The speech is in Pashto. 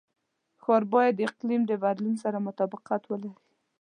ښار باید د اقلیم د بدلون سره مطابقت ولري.